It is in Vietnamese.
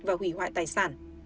và hủy hoại tài sản